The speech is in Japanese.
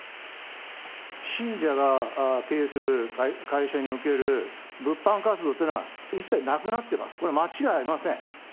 信者が経営する会社における物販活動というのは、一切なくなってます、これは間違いありません。